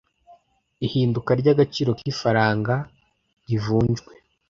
ihinduka ry agaciro k ifaranga rivunjwe